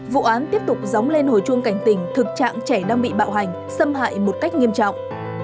vụ án tiếp tục dóng lên hồi chuông cảnh tình thực trạng trẻ đang bị bạo hành xâm hại một cách nghiêm trọng